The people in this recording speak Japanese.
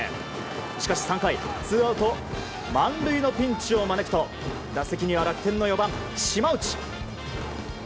しかし、３回ツーアウト満塁のピンチを招くと打席には楽天の４番、島内。